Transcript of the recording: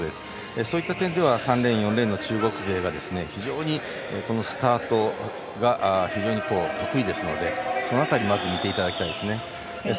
そういった点では３レーン、４レーンの中国勢が非常にスタートが得意ですのでその辺りまず見ていきたいですね。